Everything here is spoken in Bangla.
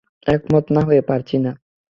একমত না হয়ে পারছি না।